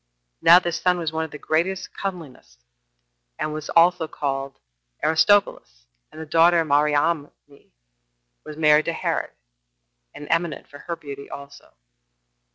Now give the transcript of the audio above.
Now this son was one of the greatest comeliness, and was called Aristobulus; and the daughter, Mariamne, was married to Herod, and eminent for her beauty also.